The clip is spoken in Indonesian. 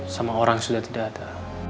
sama orang sudah tidak ada